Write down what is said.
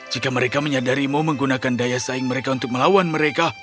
jika mereka menyadari mau menggunakan daya saing mereka untuk melawan mereka